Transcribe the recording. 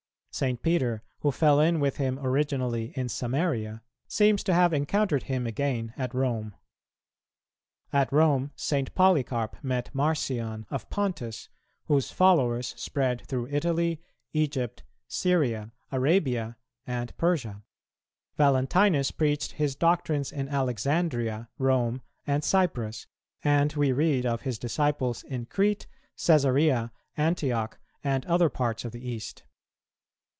St. Peter, who fell in with him originally in Samaria, seems to have encountered him again at Rome. At Rome, St. Polycarp met Marcion of Pontus, whose followers spread through Italy, Egypt, Syria, Arabia, and Persia; Valentinus preached his doctrines in Alexandria, Rome, and Cyprus; and we read of his disciples in Crete, Cæsarea, Antioch, and other parts of the East.